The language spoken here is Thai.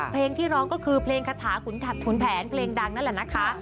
เพลงที่ร้องก็คือเพลงคาถาขุนแผนเพลงดังนั่นแหละนะคะ